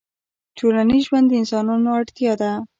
ټولنیز ژوند د انسانانو اړتیا ده